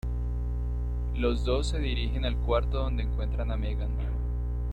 Los dos se dirigen al cuarto donde encuentran a Megan.